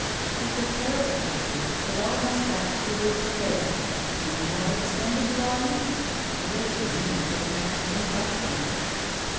It is a terrible decree, that all must act who would prevail; and the more extended the audience, the greater need for the mask and buskin.